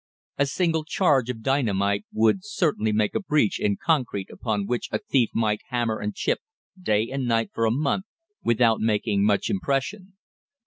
A single charge of dynamite would certainly make a breach in concrete upon which a thief might hammer and chip day and night for a month without making much impression.